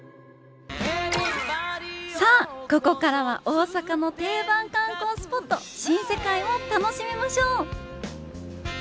さあここからは大阪の定番観光スポット新世界を楽しみましょう